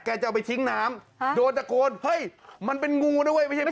จะเอาไปทิ้งน้ำโดนตะโกนเฮ้ยมันเป็นงูนะเว้ยไม่ใช่นะ